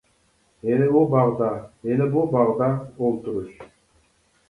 ھېلى ئۇ باغدا، ھېلى بۇ باغدا ئولتۇرۇش.